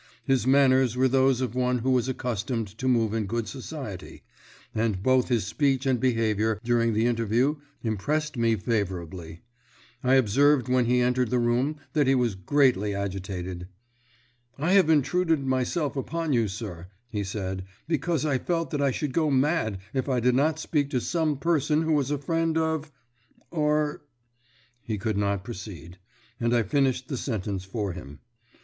His manners were those of one who was accustomed to move in good society, and both his speech and behaviour during the interview impressed me favourably. I observed when he entered the room that he was greatly agitated. "I have intruded myself upon you, sir," he said, "because I felt that I should go mad if I did not speak to some person who was a friend of or " He could not proceed, and I finished the sentence for him.